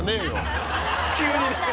急に。